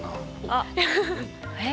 あっえっ